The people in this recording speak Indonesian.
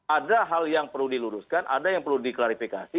ada hal yang perlu diluruskan ada yang perlu diklarifikasi